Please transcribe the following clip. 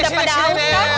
udah pada aus ya